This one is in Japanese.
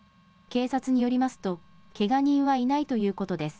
警察によりますとけが人はいないということです。